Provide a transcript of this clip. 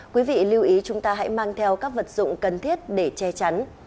quý vị lưu ý chúng ta hãy mang theo các vật dụng cần thiết để che chắn